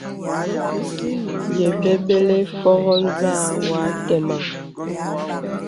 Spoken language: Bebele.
Ye bəbələ fògo nzà wà àteməŋ.